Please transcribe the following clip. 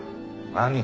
何？